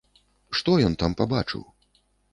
Што ён там пабачыў?